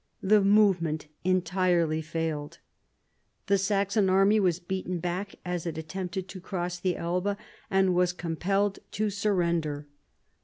The movement entirely failed. The Saxon army was beaten back as it attempted to cross the Elbe, and was compelled to surrender.